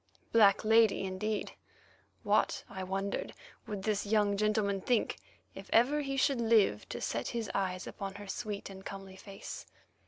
"Black lady" indeed! What, I wondered, would this young gentleman think if ever he should live to set his eyes upon her sweet and comely face?